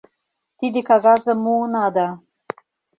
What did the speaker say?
Тиде кагазым муына да